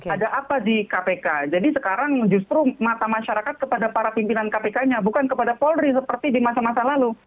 ada apa di kpk jadi sekarang justru mata masyarakat kepada para pimpinan kpk nya bukan kepada polri seperti di masa masa lalu